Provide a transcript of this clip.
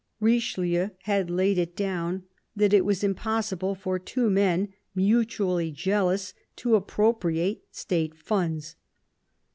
Richelieu had laid it down that it was impossible for two men mutually jealous to appropriate State funds.